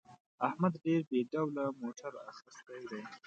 احمد ډېر بې ډوله موټر اخیستی دی.